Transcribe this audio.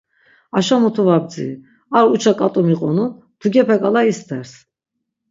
Aşo mutu va bdziri, ar uça k̆at̆u miqonun, mtugepe k̆ala isters.